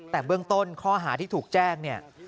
แต่เบื้องต้นข้อหาที่ถูกแจ้งเนี่ย